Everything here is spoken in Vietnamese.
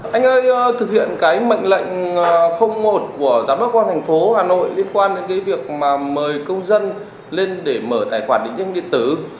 anh ơi thực hiện cái mệnh lệnh một của giám đốc quang thành phố hà nội liên quan đến cái việc mà mời công dân lên để mở tài khoản định danh điện tử